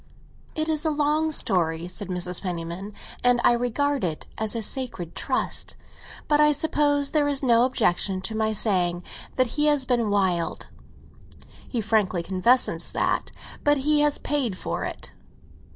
"It is a long story," said Mrs. Penniman, "and I regard it as a sacred trust. But I suppose there is no objection to my saying that he has been wild—he frankly confesses that. But he has paid for it."